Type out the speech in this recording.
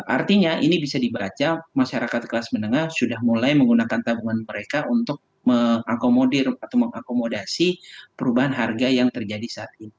artinya ini bisa dibaca masyarakat kelas menengah sudah mulai menggunakan tabungan mereka untuk mengakomodir atau mengakomodasi perubahan harga yang terjadi saat ini